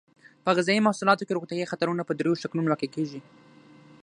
په غذایي محصولاتو کې روغتیایي خطرونه په دریو شکلونو واقع کیږي.